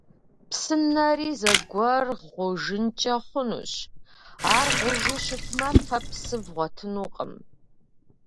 Псынэри зэгуэр гъужынкӀэ хъунущ. Ар гъужу щытмэ, фэ псы вгъуэтынукъым.